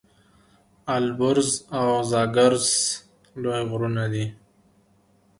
البرز او زاگرس لوی غرونه دي.